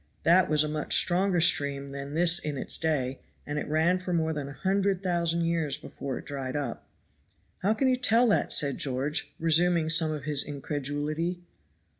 That was a much stronger stream than this in its day, and it ran for more than a hundred thousand years before it dried up." "How can you tell that?" said George, resuming some of his incredulity.